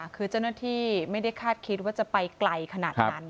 คือเจ้าหน้าที่ไม่ได้คาดคิดว่าจะไปไกลขนาดนั้น